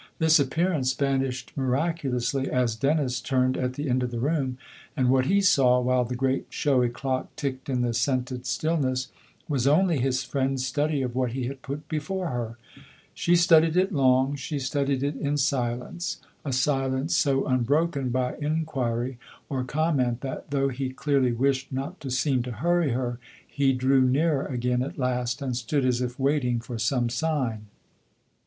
This appearance vanished miraculously as Dennis turned at the end of the room, and what he saw, while the great showy clock ticked in the scented still ness, was only his friend's study of what he had put before her. She studied it long, she studied it in silence a silence so unbroken by inquiry or com ment that, though he clearly wished not to seem to hurry her, he drew nearer again at last and stood as if waiting for some sign.